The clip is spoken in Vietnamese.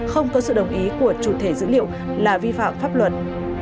không có sự đồng ý của chủ thể dữ liệu là vi phạm pháp luật